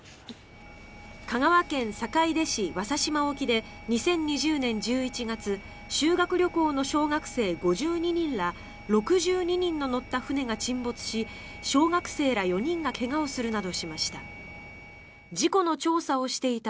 香川県坂出市・羽佐島沖で２０２０年１１月修学旅行の小学生５２人ら６２人の乗った船が沈没し小学生ら４人が怪我をするなどしました。